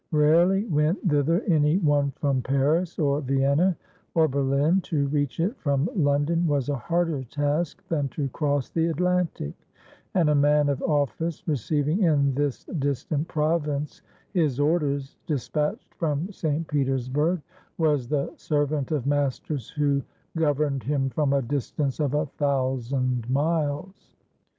Rarely went thither any one from Paris, or Vienna, or Berlin; to reach it from London was a harder task than to cross the Atlantic; and a man of office receiving in this distant province his orders despatched from St. Petersburg, was the servant of masters who governed him from a distance of a thousand miles.